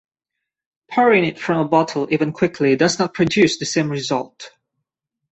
Pouring it from a bottle even quickly does not produce the same result.